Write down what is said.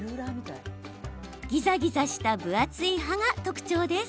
ギザギザした分厚い刃が特徴です。